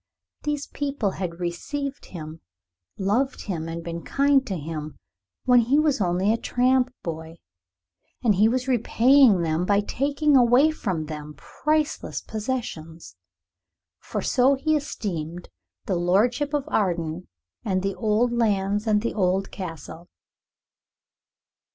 These people had received him, loved him, been kind to him when he was only a tramp boy. And he was repaying them by taking away from them priceless possessions. For so he esteemed the lordship of Arden and the old lands and the old Castle.